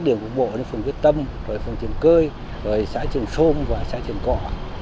điểm của bộ là phòng viết tâm phòng trường cơi xã trường sôn và xã trường cỏ